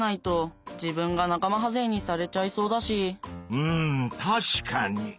うん確かに！